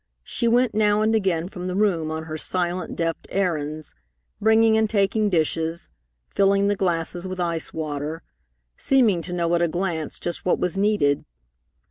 She went now and again from the room on her silent, deft errands, bringing and taking dishes, filling the glasses with ice water, seeming to know at a glance just what was needed.